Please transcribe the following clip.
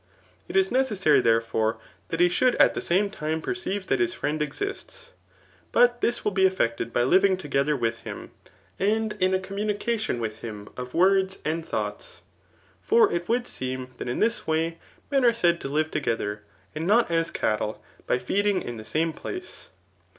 It is necessary, therefore, that il* should at the same time perceive that his friend exists ; but this will be effected by living together with him, aid in a communication with him of words and thoughts, faf it would seem that in this way meh ate^d to live togi^ ther, and not ks cattle, by feeding ih tlie same place.